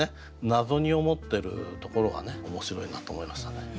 謎に思ってるところがね面白いなと思いましたね。